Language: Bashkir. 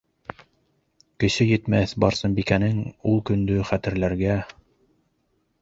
Көсө етмәҫ Барсынбикәнең ул көндө хәтерләргә...